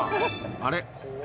あれ？